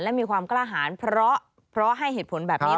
และมีความกล้าหารเพราะให้เหตุผลแบบนี้